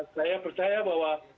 saya percaya bahwa